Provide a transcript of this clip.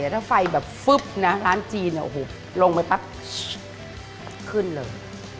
แต่ถ้าไฟแบบนะร้านจีนโอ้โหลงไปปั๊บขึ้นเลย